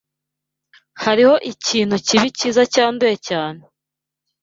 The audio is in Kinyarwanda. Hariho ikintu kibi cyiza cyanduye cyane!